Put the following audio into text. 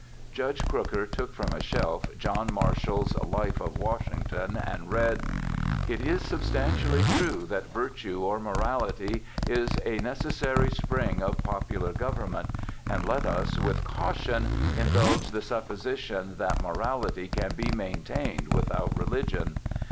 Judge Crooker took from a shelf, John Marshall's "Life of Washington," and read: "'_It is substantially true that virtue or morality is a necessary spring of popular government and let us, with caution, indulge the supposition that morality can be maintained without religion.